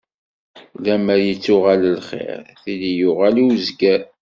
Lemmer ittuɣal lxiṛ, tili yuɣal i uzger.